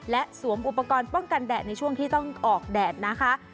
และสวมอุปกรณ์ป้องกันแดดในช่วงที่ต้องออกแดดนะคะ